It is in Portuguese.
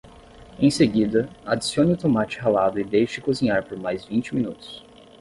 Em seguida, adicione o tomate ralado e deixe cozinhar por mais vinte minutos.